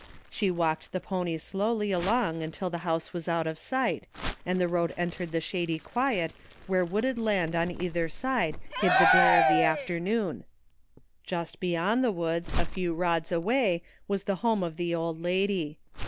She walked the pony slowly along until the house was out of sight, and the road entered the shady quiet where wooded land on either side hid the glare of the after noon. Just beyond the woods a few rods away was the home of the old lady.